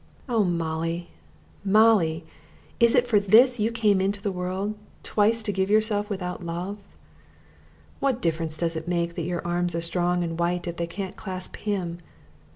Oh, Molly, Molly, is it for this you came into the world, twice to give yourself without love? What difference does it make that your arms are strong and white if they can't clasp him?